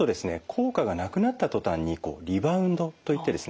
効果がなくなった途端にリバウンドといってですね